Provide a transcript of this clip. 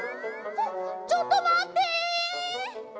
ちょっとまって！